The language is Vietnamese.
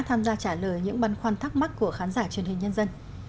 xin cảm ơn luật sư đã tham gia trả lời những băn khoăn thắc mắc của khán giả truyền hình nhân dân